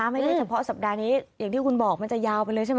โดยเฉพาะสัปดาห์นี้อย่างที่คุณบอกมันจะยาวไปเลยใช่ไหม